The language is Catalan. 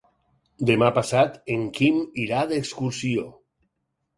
Demà passat en Quim irà d'excursió.